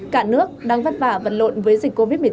cả nước đang vất vả vận lộn với dịch covid một mươi chín